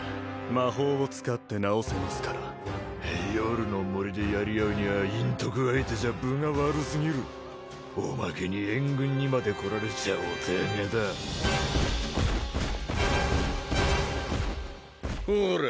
魔法を使って治せますから夜の森でやり合うには隠匿相手じゃ分が悪すぎるおまけに援軍にまで来られちゃお手上げだほら